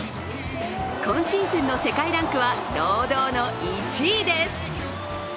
今シーズンの世界ランクは堂々の１位です。